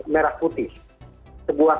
merah putih sebuah